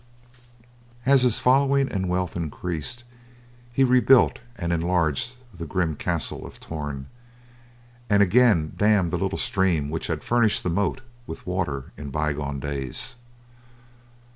As his following and wealth increased, he rebuilt and enlarged the grim Castle of Torn, and again dammed the little stream which had furnished the moat with water in bygone days.